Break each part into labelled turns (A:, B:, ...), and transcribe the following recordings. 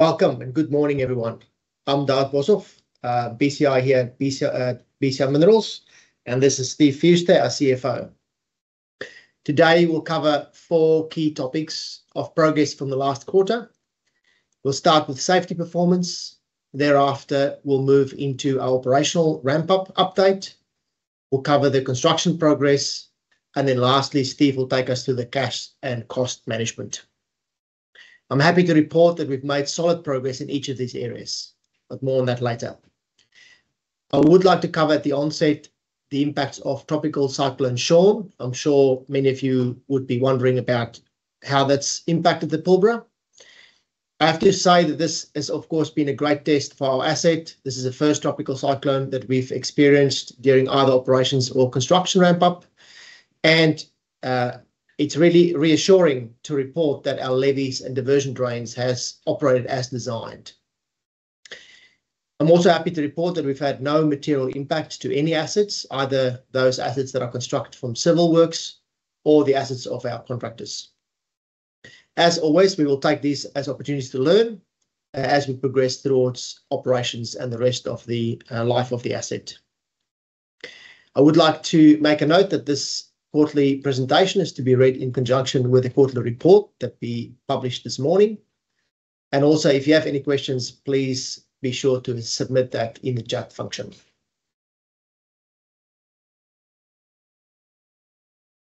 A: Welcome and good morning, everyone. I'm David Boshoff, BCI here at BCI Minerals, and this is Steve Fewster, our CFO. Today we'll cover four key topics of progress from the last quarter. We'll start with safety performance. Thereafter, we'll move into our operational ramp-up update. We'll cover the construction progress. And then lastly, Steve will take us through the cash and cost management. I'm happy to report that we've made solid progress in each of these areas, but more on that later. I would like to cover at the onset the impacts of Tropical Cyclone Sean. I'm sure many of you would be wondering about how that's impacted the Pilbara. I have to say that this has, of course, been a great test for our asset. This is the first tropical cyclone that we've experienced during either operations or construction ramp-up. It's really reassuring to report that our levees and diversion drains have operated as designed. I'm also happy to report that we've had no material impact to any assets, either those assets that are constructed from civil works or the assets of our contractors. As always, we will take these as opportunities to learn as we progress towards operations and the rest of the life of the asset. I would like to make a note that this quarterly presentation is to be read in conjunction with the quarterly report that we published this morning. Also, if you have any questions, please be sure to submit that in the chat function.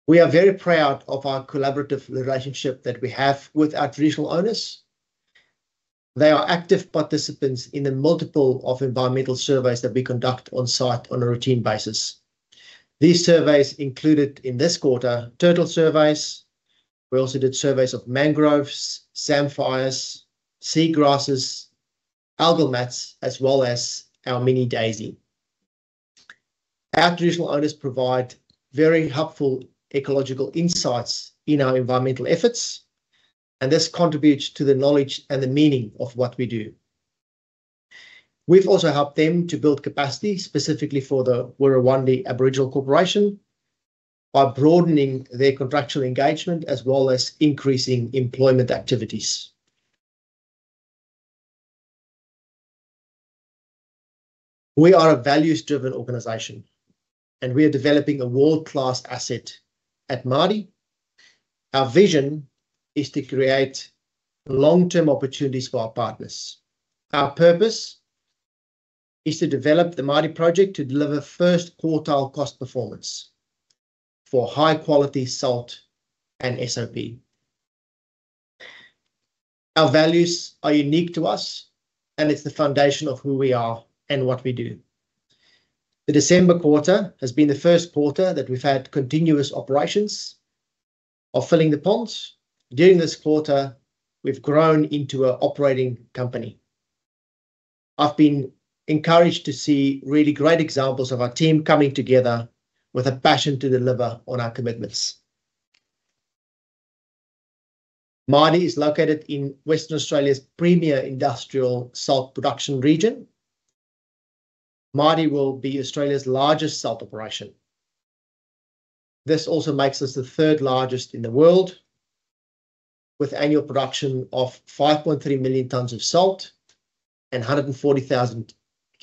A: We are very proud of our collaborative relationship that we have with our traditional owners. They are active participants in the multiple environmental surveys that we conduct on site on a routine basis. These surveys included in this quarter turtle surveys. We also did surveys of mangroves, samphires, seagrasses, algal mats, as well as our Minnie Daisy. Our traditional owners provide very helpful ecological insights in our environmental efforts, and this contributes to the knowledge and the meaning of what we do. We've also helped them to build capacity specifically for the Wirrawandi Aboriginal Corporation by broadening their contractual engagement as well as increasing employment activities. We are a values-driven organization, and we are developing a world-class asset at Mardie. Our vision is to create long-term opportunities for our partners. Our purpose is to develop the Mardie project to deliver first-quartile cost performance for high-quality salt and SOP. Our values are unique to us, and it's the foundation of who we are and what we do. The December quarter has been the first quarter that we've had continuous operations of filling the ponds. During this quarter, we've grown into an operating company. I've been encouraged to see really great examples of our team coming together with a passion to deliver on our commitments. Mardie is located in Western Australia's premier industrial salt production region. Mardie will be Australia's largest salt operation. This also makes us the third largest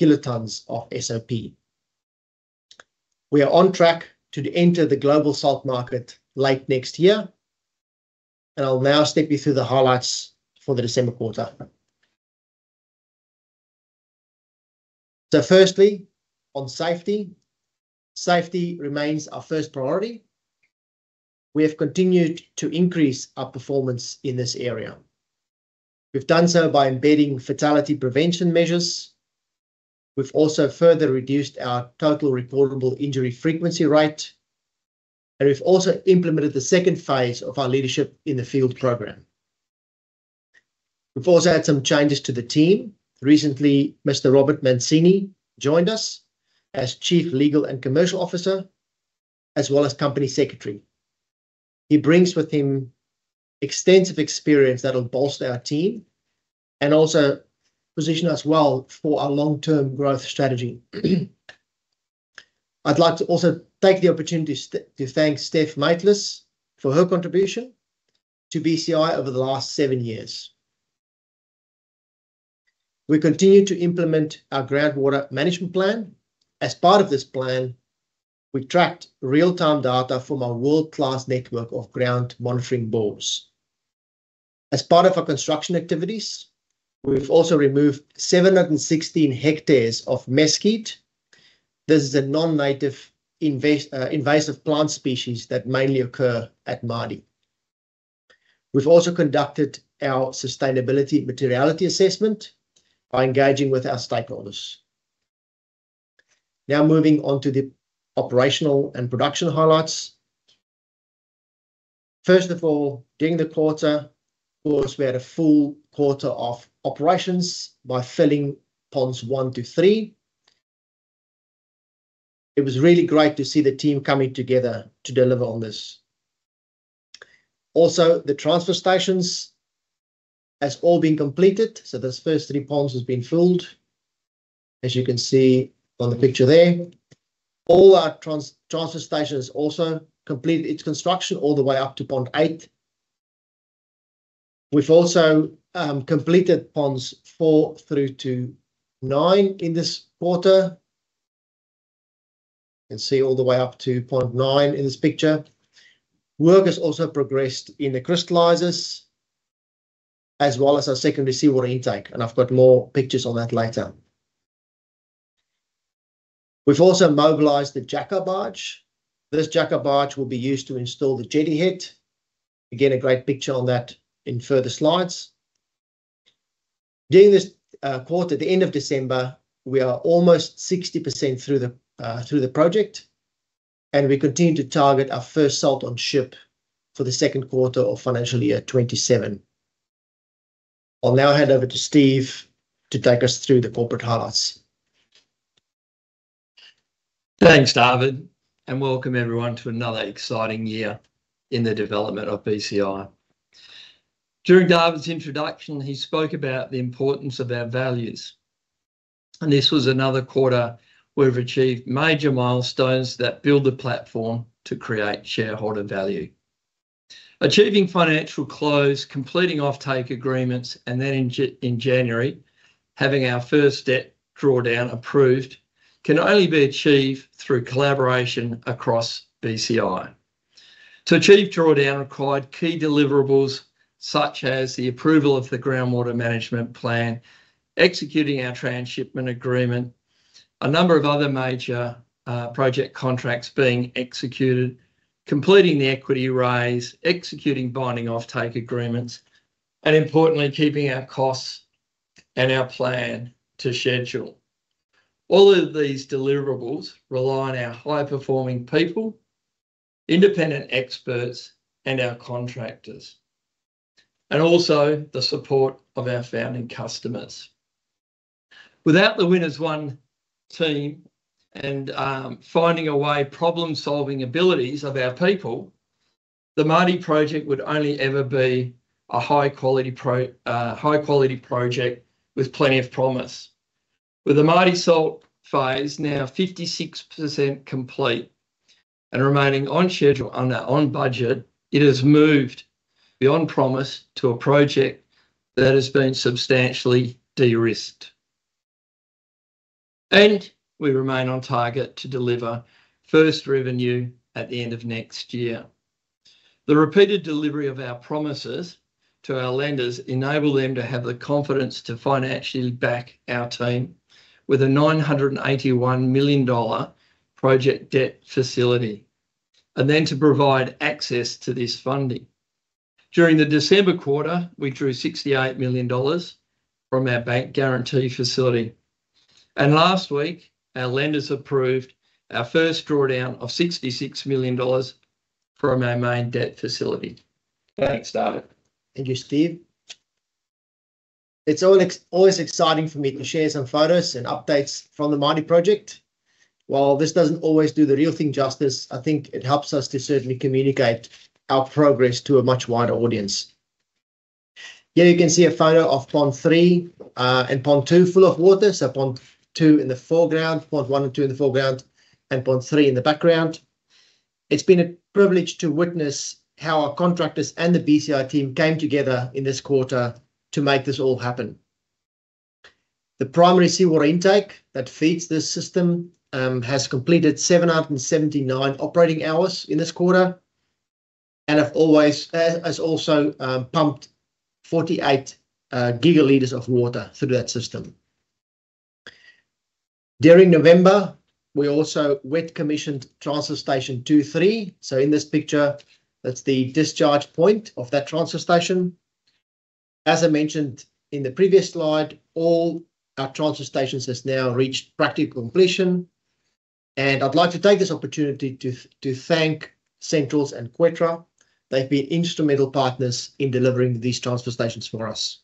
A: in the world, with annual production of 5.3 million tonnes of salt and 140,000 tonnes of SOP. We are on track to enter the global salt market late next year, and I'll now step you through the highlights for the December quarter, so firstly, on safety, safety remains our first priority. We have continued to increase our performance in this area. We've done so by embedding fatality prevention measures. We've also further reduced our total recordable injury frequency rate, and we've also implemented the second phase of our leadership in the field program. We've also had some changes to the team. Recently, Mr. Robert Mancini joined us as Chief Legal and Commercial Officer, as well as Company Secretary. He brings with him extensive experience that will bolster our team and also position us well for our long-term growth strategy. I'd like to also take the opportunity to thank Stephanie Majteles for her contribution to BCI over the last seven years. We continue to implement our groundwater management plan. As part of this plan, we tracked real-time data from our world-class network of ground monitoring bores. As part of our construction activities, we've also removed 716 hectares of mesquite. This is a non-native invasive plant species that mainly occur at Mardie. We've also conducted our sustainability materiality assessment by engaging with our stakeholders. Now moving on to the operational and production highlights. First of all, during the quarter, of course, we had a full quarter of operations by filling ponds one to three. It was really great to see the team coming together to deliver on this. Also, the transfer stations have all been completed. So this first three ponds have been filled, as you can see on the picture there. All our transfer stations also completed its construction all the way up to pond eight. We've also completed ponds four through to nine in this quarter. You can see all the way up to pond nine in this picture. Work has also progressed in the crystallizers, as well as our secondary seawater intake. And I've got more pictures on that later. We've also mobilized the jack-up barge. This jack-up barge will be used to install the jetty head. Again, a great picture on that in further slides. During this quarter, at the end of December, we are almost 60% through the project, and we continue to target our first salt on ship for the second quarter of financial year 2027. I'll now hand over to Steve to take us through the corporate highlights.
B: Thanks, David. And welcome, everyone, to another exciting year in the development of BCI. During David's introduction, he spoke about the importance of our values. And this was another quarter where we've achieved major milestones that build the platform to create shareholder value. Achieving financial close, completing off-take agreements, and then in January, having our first debt drawdown approved can only be achieved through collaboration across BCI. To achieve drawdown, required key deliverables such as the approval of the groundwater management plan, executing our transshipment agreement, a number of other major project contracts being executed, completing the equity raise, executing binding off-take agreements, and importantly, keeping our costs and our plan to schedule. All of these deliverables rely on our high-performing people, independent experts, and our contractors, and also the support of our founding customers. Without the winners' one-team and find-a-way problem-solving abilities of our people, the Mardie project would only ever be a high-quality project with plenty of promise. With the Mardie salt phase now 56% complete and remaining on schedule and under budget, it has moved beyond promise to a project that has been substantially de-risked, and we remain on target to deliver first revenue at the end of next year. The repeated delivery of our promises to our lenders enabled them to have the confidence to financially back our team with a 981 million dollar project debt facility, and then to provide access to this funding. During the December quarter, we drew 68 million dollars from our bank guarantee facility, and last week, our lenders approved our first drawdown of 66 million dollars from our main debt facility. Thanks, David.
A: Thank you, Steve. It's always exciting for me to share some photos and updates from the Mardie project. While this doesn't always do the real thing justice, I think it helps us to certainly communicate our progress to a much wider audience. Here you can see a photo of pond three and pond two full of water. So pond two in the foreground, pond one and two in the foreground, and pond three in the background. It's been a privilege to witness how our contractors and the BCI team came together in this quarter to make this all happen. The primary seawater intake that feeds this system has completed 779 operating hours in this quarter and has also pumped 48 gigaliters of water through that system. During November, we also wet commissioned Transfer Station 2-3. So in this picture, that's the discharge point of that transfer station. As I mentioned in the previous slide, all our transfer stations have now reached practical completion. I'd like to take this opportunity to thank Centrals and Q-Birt. They've been instrumental partners in delivering these transfer stations for us.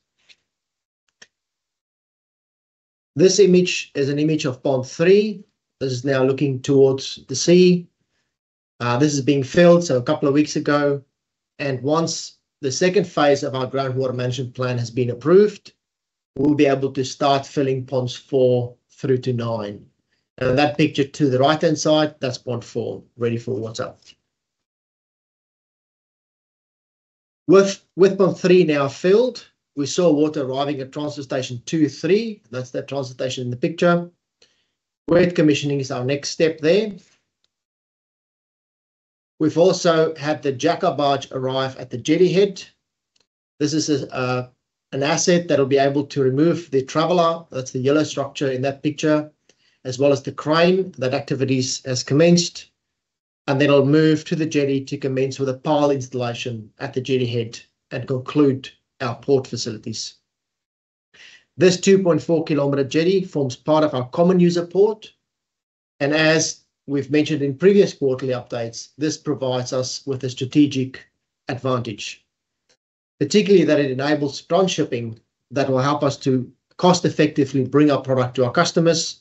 A: This image is an image of pond three. This is now looking towards the sea. This is being filled a couple of weeks ago. Once the second phase of our groundwater management plan has been approved, we'll be able to start filling ponds four through to nine. That picture to the right-hand side, that's pond four ready for water. With pond three now filled, we saw water arriving at transfer station 2-3. That's that transfer station in the picture. Wet commissioning is our next step there. We've also had the jack-up barge arrive at the jetty head. This is an asset that will be able to remove the traveller. That's the yellow structure in that picture, as well as the crane that activities has commenced. And then it'll move to the jetty to commence with a pile installation at the jetty head and conclude our port facilities. This 2.4 km jetty forms part of our common user port. And as we've mentioned in previous quarterly updates, this provides us with a strategic advantage, particularly that it enables direct shipping that will help us to cost-effectively bring our product to our customers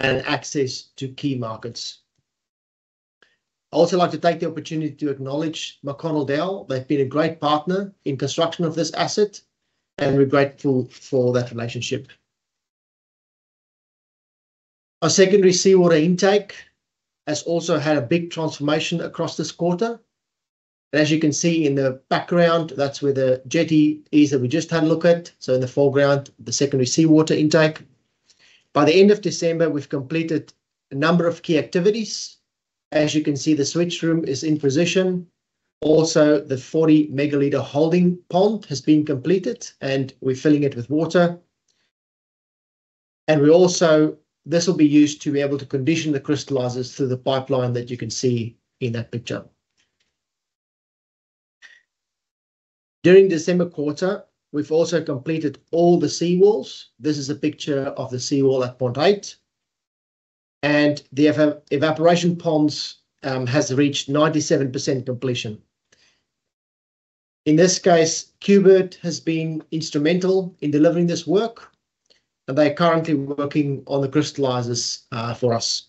A: and access to key markets. I'd also like to take the opportunity to acknowledge McConnell Dowell. They've been a great partner in construction of this asset, and we're grateful for that relationship. Our secondary seawater intake has also had a big transformation across this quarter. As you can see in the background, that's where the jetty is that we just had a look at. In the foreground, the secondary seawater intake. By the end of December, we've completed a number of key activities. As you can see, the switch room is in position. Also, the 40 megaliter holding pond has been completed, and we're filling it with water. This will be used to be able to condition the crystallizers through the pipeline that you can see in that picture. During December quarter, we've also completed all the seawalls. This is a picture of the seawall at pond eight. The evaporation ponds have reached 97% completion. In this case, Q-Birt has been instrumental in delivering this work, and they're currently working on the crystallizers for us.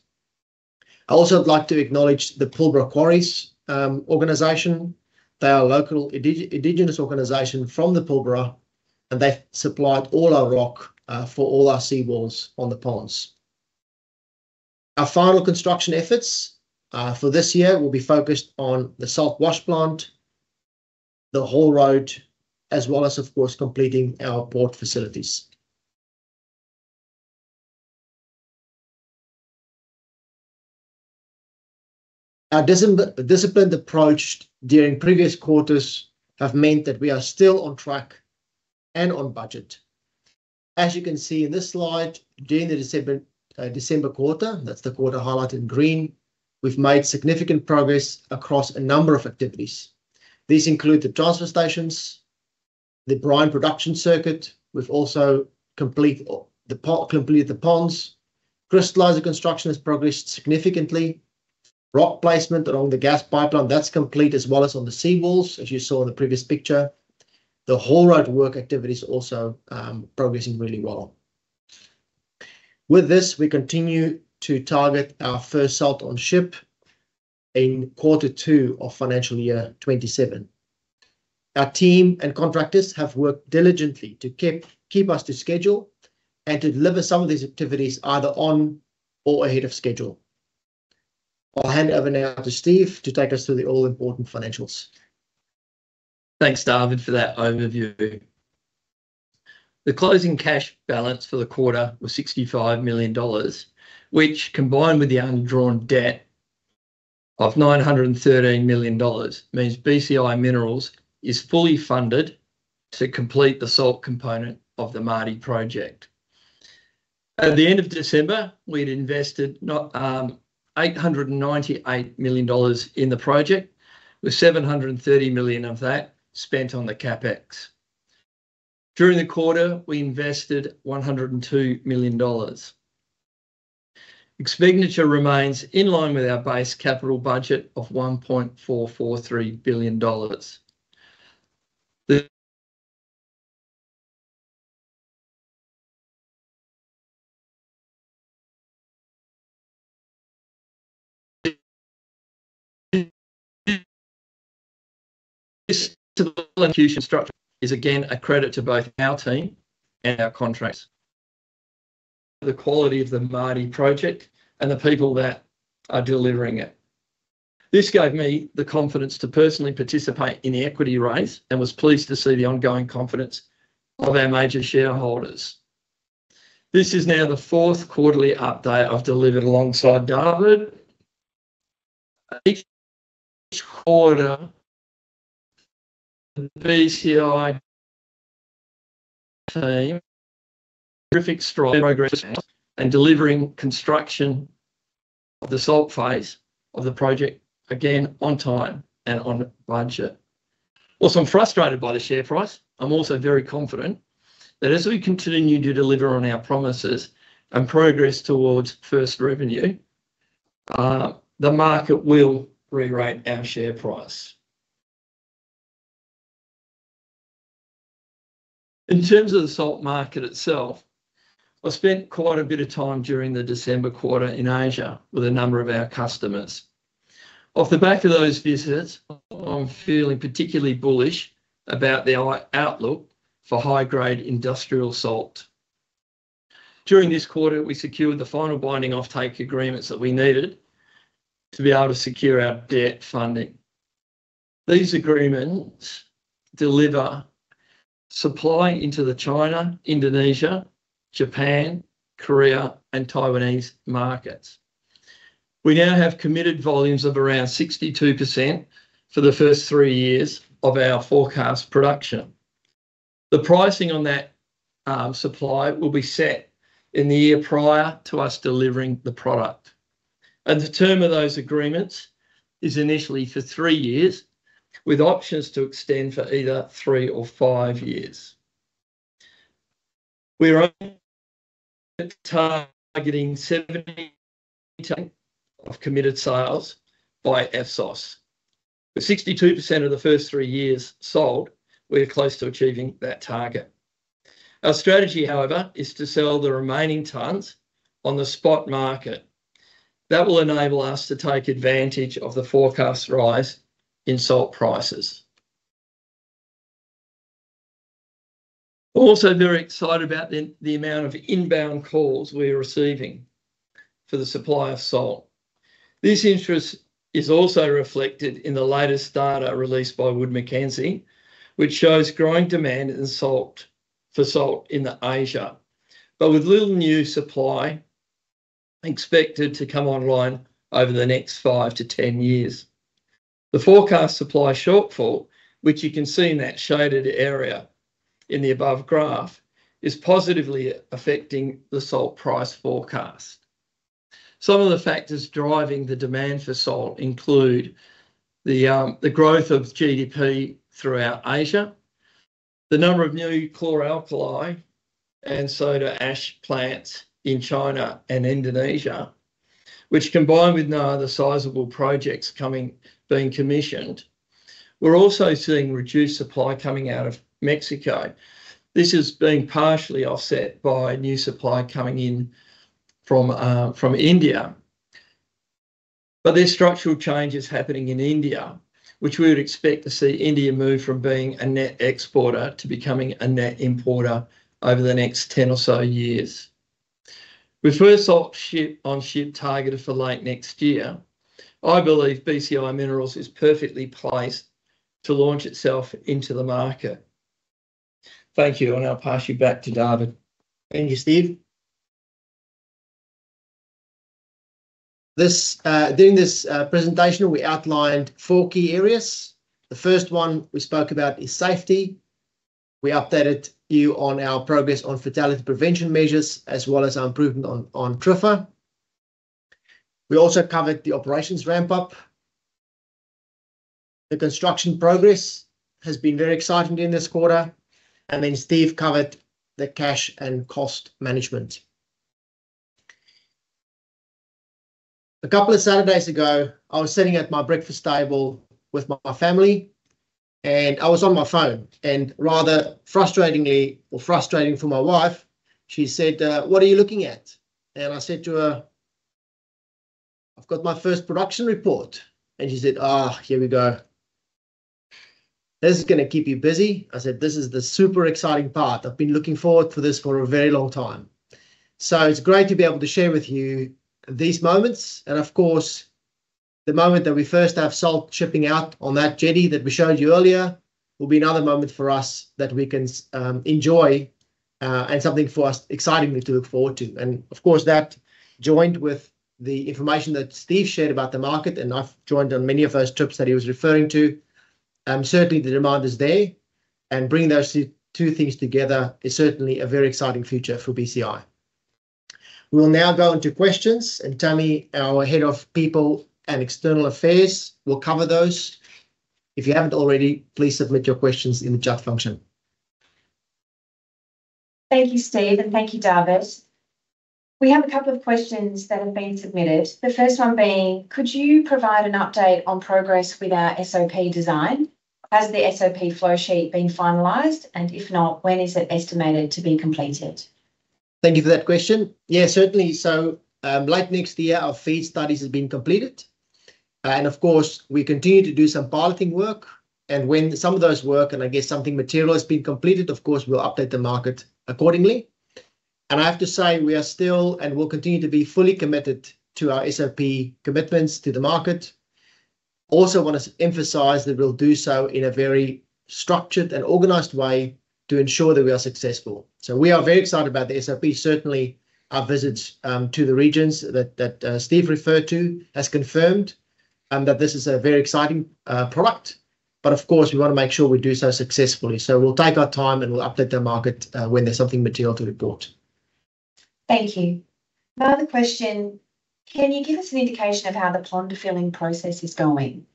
A: I also would like to acknowledge the Pilbara Quarries organization. They are a local indigenous organization from the Pilbara, and they supplied all our rock for all our seawalls on the ponds. Our final construction efforts for this year will be focused on the salt wash plant, the haul road, as well as, of course, completing our port facilities. Our disciplined approach during previous quarters has meant that we are still on track and on budget. As you can see in this slide, during the December quarter, that's the quarter highlighted in green, we've made significant progress across a number of activities. These include the transfer stations, the brine production circuit. We've also completed the ponds. Crystallizer construction has progressed significantly. Rock placement along the gas pipeline, that's complete, as well as on the seawalls, as you saw in the previous picture. The haul road work activity is also progressing really well. With this, we continue to target our first salt on ship in quarter two of financial year 2027. Our team and contractors have worked diligently to keep us to schedule and to deliver some of these activities either on or ahead of schedule. I'll hand over now to Steve to take us through the all-important financials.
B: Thanks, David, for that overview. The closing cash balance for the quarter was AUD 65 million, which, combined with the undrawn debt of AUD 913 million, means BCI Minerals is fully funded to complete the salt component of the Mardie project. At the end of December, we had invested 898 million dollars in the project, with 730 million of that spent on the CapEx. During the quarter, we invested 102 million dollars. Expenditure remains in line with our base capital budget of 1.443 billion dollars. The discipline and acquisition structure is again a credit to both our team and our contractors, the quality of the Mardie project, and the people that are delivering it. This gave me the confidence to personally participate in the equity raise and was pleased to see the ongoing confidence of our major shareholders. This is now the fourth quarterly update I've delivered alongside David. Each quarter, the BCI team made a terrific stride in progress and delivering construction of the salt phase of the project again on time and on budget. While I'm frustrated by the share price, I'm also very confident that as we continue to deliver on our promises and progress towards first revenue, the market will re-rate our share price. In terms of the salt market itself, I spent quite a bit of time during the December quarter in Asia with a number of our customers. Off the back of those visits, I'm feeling particularly bullish about the outlook for high-grade industrial salt. During this quarter, we secured the final binding off-take agreements that we needed to be able to secure our debt funding. These agreements deliver supply into the China, Indonesia, Japan, Korea, and Taiwanese markets. We now have committed volumes of around 62% for the first three years of our forecast production. The pricing on that supply will be set in the year prior to us delivering the product. And the term of those agreements is initially for three years, with options to extend for either three or five years. We are targeting 70% of committed sales by FSOS. With 62% of the first three years sold, we are close to achieving that target. Our strategy, however, is to sell the remaining tons on the spot market. That will enable us to take advantage of the forecast rise in salt prices. I'm also very excited about the amount of inbound calls we are receiving for the supply of salt. This interest is also reflected in the latest data released by Wood Mackenzie, which shows growing demand for salt in Asia, but with little new supply expected to come online over the next five to 10 years. The forecast supply shortfall, which you can see in that shaded area in the above graph, is positively affecting the salt price forecast. Some of the factors driving the demand for salt include the growth of GDP throughout Asia, the number of new chloralkali and soda ash plants in China and Indonesia, which, combined with no other sizable projects being commissioned, we're also seeing reduced supply coming out of Mexico. This is being partially offset by new supply coming in from India. But there's structural changes happening in India, which we would expect to see India move from being a net exporter to becoming a net importer over the next 10 or so years. With first salt on ship targeted for late next year, I believe BCI Minerals is perfectly placed to launch itself into the market. Thank you. And I'll pass you back to David.
A: Thank you, Steve. During this presentation, we outlined four key areas. The first one we spoke about is safety. We updated you on our progress on fatality prevention measures, as well as our improvement on TRIFR. We also covered the operations ramp-up. The construction progress has been very exciting during this quarter, and then Steve covered the cash and cost management. A couple of Saturdays ago, I was sitting at my breakfast table with my family, and I was on my phone. And rather frustratingly, or frustrating for my wife, she said, "What are you looking at?" And I said to her, "I've got my first production report." And she said, "here we go. This is going to keep you busy." I said, "This is the super exciting part. I've been looking forward to this for a very long time." So it's great to be able to share with you these moments. And of course, the moment that we first have salt shipping out on that jetty that we showed you earlier will be another moment for us that we can enjoy and something for us excitingly to look forward to. And of course, that joined with the information that Steve shared about the market, and I've joined on many of those trips that he was referring to. Certainly, the demand is there. And bringing those two things together is certainly a very exciting future for BCI. We will now go into questions, and Tammie, our head of people and external affairs, will cover those. If you haven't already, please submit your questions in the chat function.
C: Thank you, Steve, and thank you, David. We have a couple of questions that have been submitted. The first one being, could you provide an update on progress with our SOP design? Has the SOP flow sheet been finalized? And if not, when is it estimated to be completed?
A: Thank you for that question. Yeah, certainly, so late next year, our feed studies have been completed, and of course, we continue to do some piloting work, and when some of those work, and I guess something material has been completed, of course, we'll update the market accordingly, and I have to say we are still and will continue to be fully committed to our SOP commitments to the market. Also want to emphasize that we'll do so in a very structured and organized way to ensure that we are successful, so we are very excited about the SOP. Certainly, our visits to the regions that Steve referred to have confirmed that this is a very exciting product, but of course, we want to make sure we do so successfully, so we'll take our time and we'll update the market when there's something material to report.
C: Thank you. Another question. Can you give us an indication of how the pond filling process is going?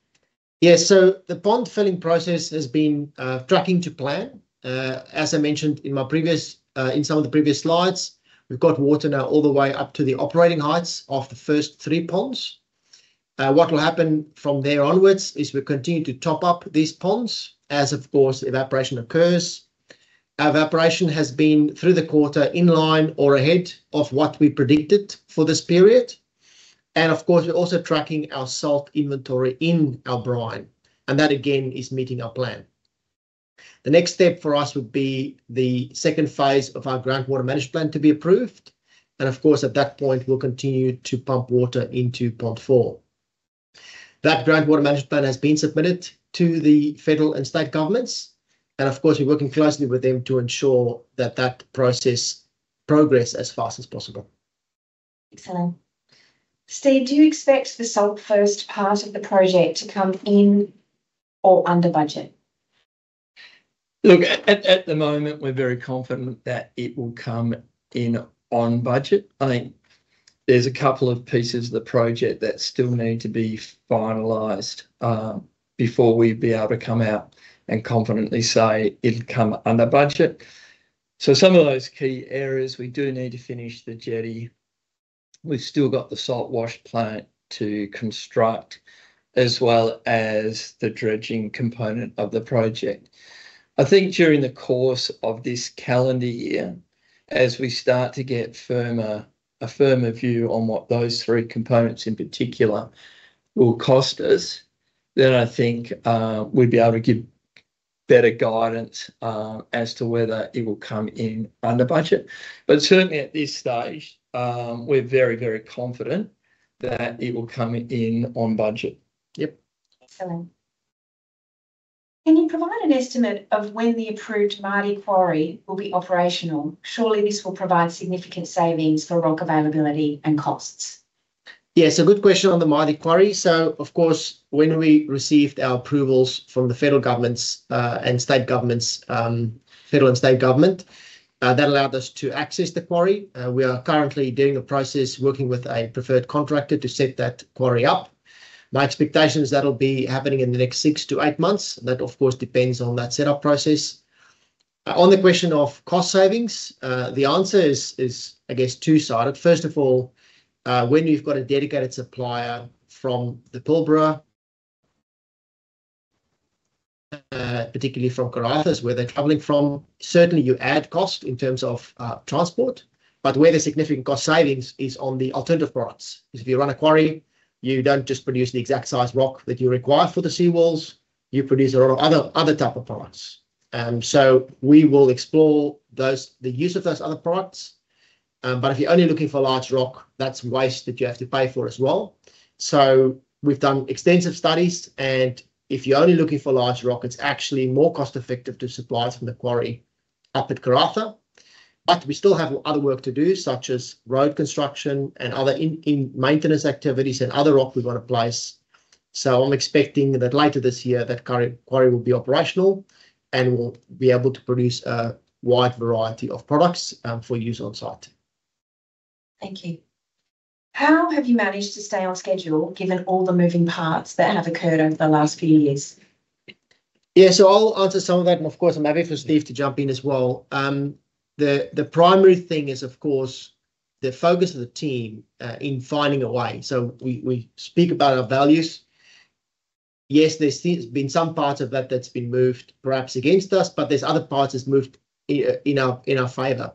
A: Yeah, so the pond filling process has been tracking to plan. As I mentioned in some of the previous slides, we've got water now all the way up to the operating heights of the first three ponds. What will happen from there onwards is we continue to top up these ponds as, of course, evaporation occurs. Evaporation has been through the quarter in line or ahead of what we predicted for this period, and of course, we're also tracking our salt inventory in our brine, and that, again, is meeting our plan. The next step for us would be the second phase of our groundwater management plan to be approved, and of course, at that point, we'll continue to pump water into pond four. That groundwater management plan has been submitted to the federal and state governments. Of course, we're working closely with them to ensure that that process progresses as fast as possible.
C: Excellent. Steve, do you expect the First Salt part of the project to come in or under budget?
B: Look, at the moment, we're very confident that it will come in on budget. I think there's a couple of pieces of the project that still need to be finalized before we'd be able to come out and confidently say it'd come under budget. So some of those key areas, we do need to finish the jetty. We've still got the salt wash plant to construct, as well as the dredging component of the project. I think during the course of this calendar year, as we start to get a firmer view on what those three components in particular will cost us, then I think we'd be able to give better guidance as to whether it will come in under budget. But certainly, at this stage, we're very, very confident that it will come in on budget. Yep.
C: Excellent. Can you provide an estimate of when the approved Mardie quarry will be operational? Surely this will provide significant savings for rock availability and costs.
A: Yeah, so good question on the Mardie quarry. So of course, when we received our approvals from the federal governments and state governments, federal and state government, that allowed us to access the quarry. We are currently doing a process working with a preferred contractor to set that quarry up. My expectation is that'll be happening in the next six to eight months. That, of course, depends on that setup process. On the question of cost savings, the answer is, I guess, two-sided. First of all, when you've got a dedicated supplier from the Pilbara, particularly from Karratha, where they're travelling from, certainly you add cost in terms of transport. But where the significant cost savings is on the alternative products is if you run a quarry, you don't just produce the exact size rock that you require for the seawalls. You produce a lot of other type of products. And so we will explore the use of those other products. But if you're only looking for large rock, that's waste that you have to pay for as well. So we've done extensive studies. And if you're only looking for large rock, it's actually more cost-effective to supply from the quarry up at Karratha. But we still have other work to do, such as road construction and other maintenance activities and other rock we want to place. So I'm expecting that later this year, that quarry will be operational and we'll be able to produce a wide variety of products for use on site.
C: Thank you. How have you managed to stay on schedule given all the moving parts that have occurred over the last few years?
A: Yeah, so I'll answer some of that. And of course, I'm happy for Steve to jump in as well. The primary thing is, of course, the focus of the team in finding a way. So we speak about our values. Yes, there's been some parts of that that's been moved perhaps against us, but there's other parts that's moved in our favor.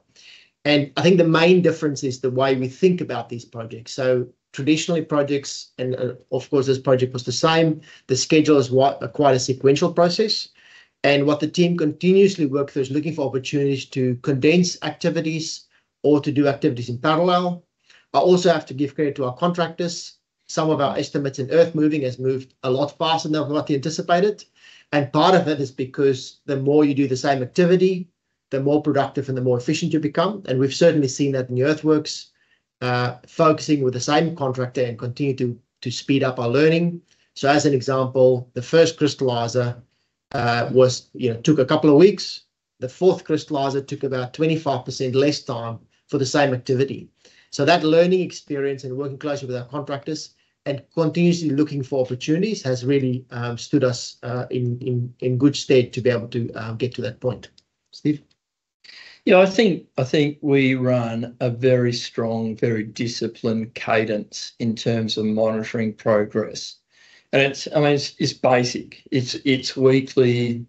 A: And I think the main difference is the way we think about these projects. So traditionally, projects, and of course, this project was the same, the schedule is quite a sequential process. And what the team continuously works through is looking for opportunities to condense activities or to do activities in parallel. I also have to give credit to our contractors. Some of our estimates in earth moving have moved a lot faster than what they anticipated. And part of that is because the more you do the same activity, the more productive and the more efficient you become. And we've certainly seen that in the earthworks, focusing with the same contractor and continue to speed up our learning. So as an example, the first crystallizer took a couple of weeks. The fourth crystallizer took about 25% less time for the same activity. So that learning experience and working closely with our contractors and continuously looking for opportunities has really stood us in good stead to be able to get to that point. Steve?
B: Yeah, I think we run a very strong, very disciplined cadence in terms of monitoring progress. And I mean, it's basic. It's weekly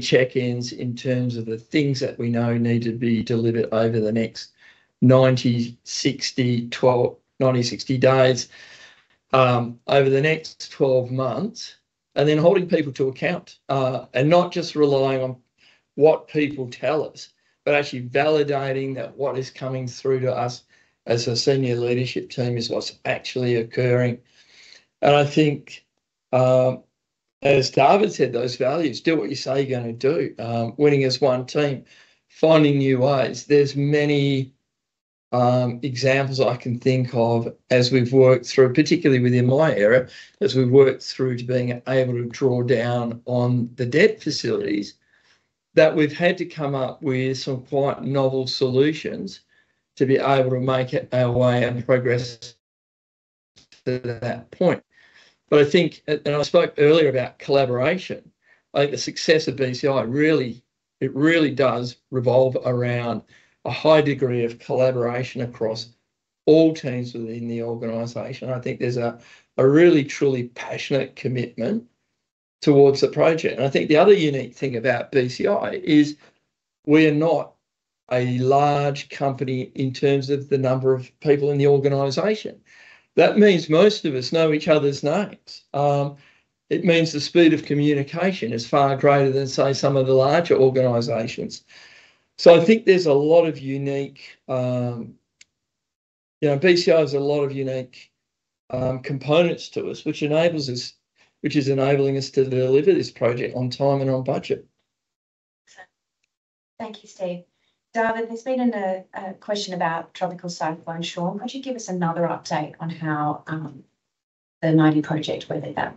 B: check-ins in terms of the things that we know need to be delivered over the next 90, 60, 12, 90, 60 days, over the next 12 months. And then holding people to account and not just relying on what people tell us, but actually validating that what is coming through to us as a senior leadership team is what's actually occurring. And I think, as David said, those values, do what you say you're going to do. Winning as one team, finding new ways. There's many examples I can think of as we've worked through, particularly within my area, as we've worked through to being able to draw down on the debt facilities that we've had to come up with some quite novel solutions to be able to make our way and progress to that point, but I think, and I spoke earlier about collaboration, I think the success of BCI, it really does revolve around a high degree of collaboration across all teams within the organization. I think there's a really, truly passionate commitment towards the project, and I think the other unique thing about BCI is we are not a large company in terms of the number of people in the organization. That means most of us know each other's names. It means the speed of communication is far greater than, say, some of the larger organizations. I think BCI has a lot of unique components to us, which is enabling us to deliver this project on time and on budget.
C: Excellent. Thank you, Steve. David, there's been a question about Tropical Cyclone Sean. Could you give us another update on how the Mardie project went about?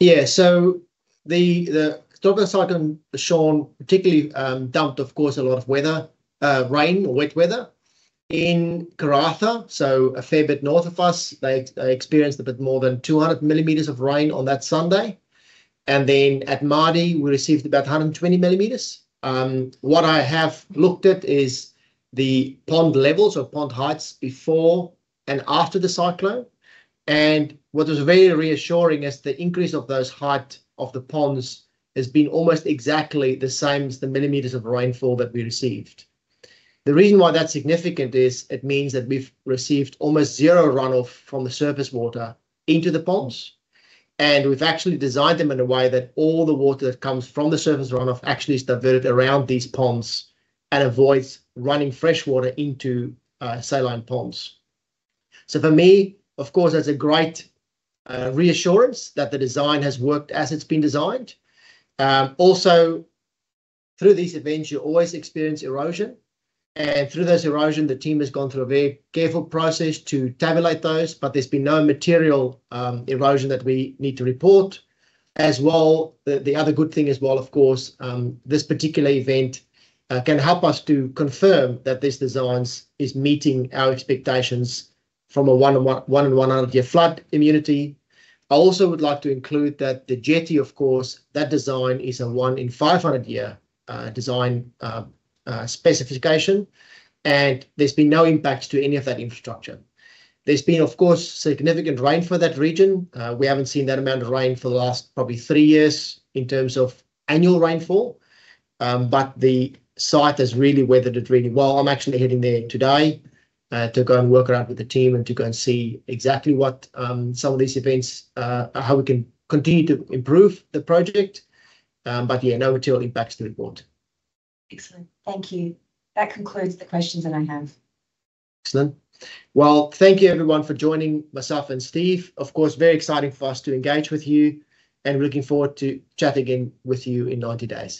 A: Yeah, so the Tropical Cyclone Sean particularly dumped, of course, a lot of weather, rain, wet weather in Karratha. So a fair bit north of us, they experienced a bit more than 200 millimeters of rain on that Sunday. And then at Mardie, we received about 120 millimeters. What I have looked at is the pond levels or pond heights before and after the cyclone. And what was very reassuring is the increase of those heights of the ponds has been almost exactly the same as the millimeters of rainfall that we received. The reason why that's significant is it means that we've received almost zero runoff from the surface water into the ponds. And we've actually designed them in a way that all the water that comes from the surface runoff actually is diverted around these ponds and avoids running fresh water into saline ponds. So for me, of course, that's a great reassurance that the design has worked as it's been designed. Also, through these events, you always experience erosion. And through those erosion, the team has gone through a very careful process to tabulate those. But there's been no material erosion that we need to report. As well, the other good thing as well, of course, this particular event can help us to confirm that this design is meeting our expectations from a one in 100-year flood immunity. I also would like to include that the jetty, of course, that design is a one in 500-year design specification. And there's been no impacts to any of that infrastructure. There's been, of course, significant rain for that region. We haven't seen that amount of rain for the last probably three years in terms of annual rainfall. But the site has really weathered it really well. I'm actually heading there today to go and work around with the team and to go and see exactly what some of these events, how we can continue to improve the project. But yeah, no material impacts to report.
C: Excellent. Thank you. That concludes the questions that I have.
A: Excellent. Thank you, everyone, for joining myself and Steve. Of course, very exciting for us to engage with you. We're looking forward to chatting again with you in 90 days.